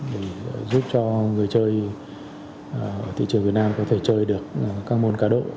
để giúp cho người chơi ở thị trường việt nam có thể chơi được các môn cá độ